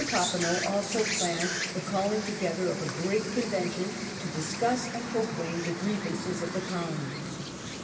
Papineau also planned the calling together of a great convention to discuss and proclaim the grievances of the colonies.